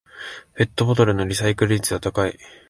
ペットボトルのリサイクル率は高い